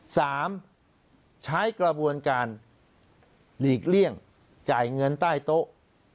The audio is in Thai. ใช้กระบวนการหลีกเลี่ยงจ่ายเงินใต้โต๊ะ